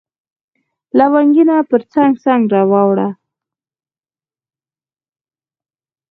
لونګینه پرڅنګ، پرڅنګ را واوړه